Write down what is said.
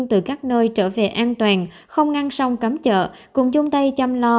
từ các nơi trở về an toàn không ngăn sông cấm chợ cùng chung tay chăm lo